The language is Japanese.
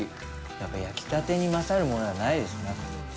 やっぱり焼きたてに勝るものはないですね。